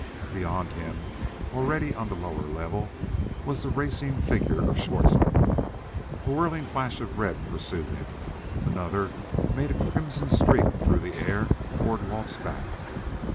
Beyond him, already on the lower level, was the racing figure of Schwartzmann. A whirring flash of red pursued him. Another made a crimson streak through the air toward Walt's back.